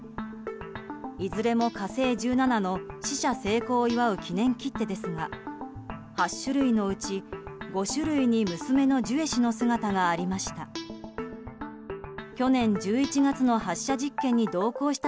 いずれも「火星１７」の試射成功を祝う記念切手ですが８種類のうち５種類に娘のジュエ氏の姿がありました。